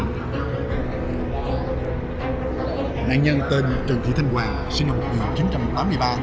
nạn nhân tên trần thị thanh hoàng sinh năm một nghìn chín trăm tám mươi ba